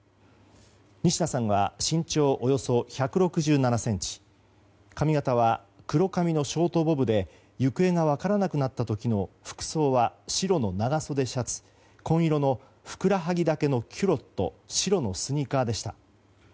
仁科さんは身長およそ１６７ｃｍ髪形は、黒髪のショートボブで行方が分からなくなった時の服装は白の長袖シャツ紺色のふくらはぎ丈のキュロット白のスニーカーでした。